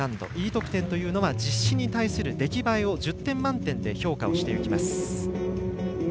Ｅ得点というのは実施に対する出来栄えを１０点満点で評価をしていきます。